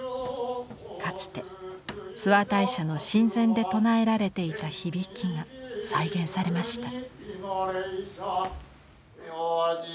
かつて諏訪大社の神前で唱えられていた響きが再現されました。